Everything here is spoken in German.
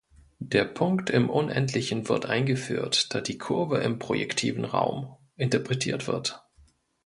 Der Punkt im Unendlichen wird eingeführt, da die Kurve im projektiven Raum interpretiert wird.